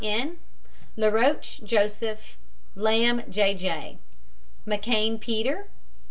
N. LAROCHE, JOSEPH. LAMB, J. J McKANE, PETER.